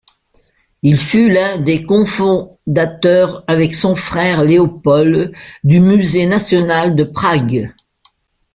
Il fut l'un des cofondateurs avec son frère Leopold du musée national de Prague.